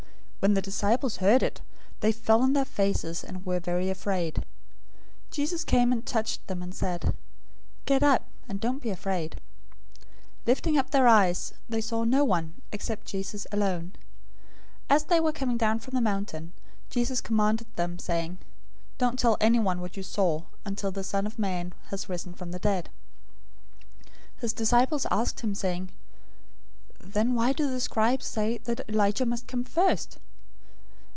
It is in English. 017:006 When the disciples heard it, they fell on their faces, and were very afraid. 017:007 Jesus came and touched them and said, "Get up, and don't be afraid." 017:008 Lifting up their eyes, they saw no one, except Jesus alone. 017:009 As they were coming down from the mountain, Jesus commanded them, saying, "Don't tell anyone what you saw, until the Son of Man has risen from the dead." 017:010 His disciples asked him, saying, "Then why do the scribes say that Elijah must come first?"